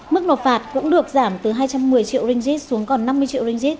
mức nộp phạt cũng được giảm từ hai trăm một mươi triệu ringgis xuống còn năm mươi triệu ringgit